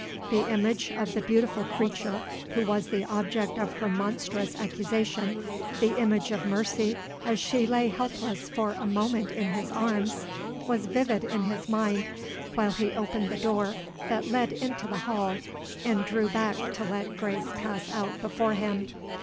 The image of the beautiful creature who was the object of her monstrous accusation the image of Mercy as she lay helpless for a moment in his arms was vivid in his mind while he opened the door that led into the hall, and drew back to let Grace pass out before him.